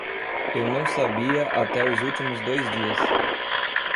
Eu não sabia até os últimos dois dias.